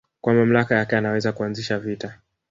kwa mamlaka yake anaweza kuanzisha vita